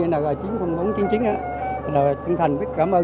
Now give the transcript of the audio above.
đã chăm lo chăm sóc cho